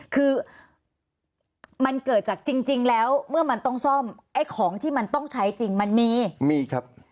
คือมันเกิดจากจริงแล้วเมื่อมันต้องซ่อมไอ้ของที่มันต้องใช้จริงมันมีมีครับ